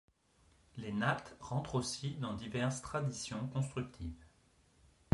Les nattes rentrent aussi dans diverses traditions constructives.